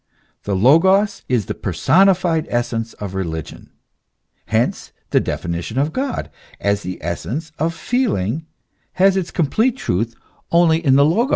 The Logos is the personified essence of religion. Hence the definition of God as the essence of feeling, has its complete truth only in the Logos.